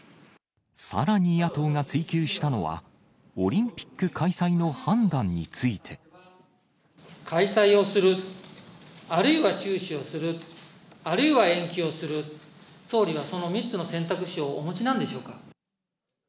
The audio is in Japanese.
さらに野党が追及したのは、開催をする、あるいは中止をする、あるいは延期をする、総理はその３つの選択肢をお持ちなんでしょうか。